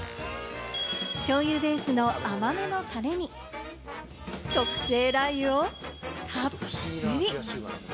しょうゆベースの甘めのタレに特製ラー油をたっぷり！